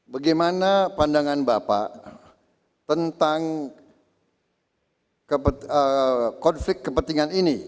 bagaimana pandangan bapak tentang konflik kepentingan ini